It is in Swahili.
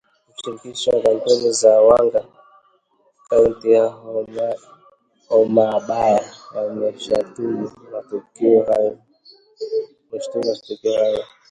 Mshirikishi wa kampeni za Wanga kaunti ya Homabay wameshutumu matukio hayo